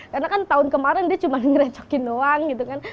karena kan tahun kemarin dia cuma ngerecokin doang gitu kan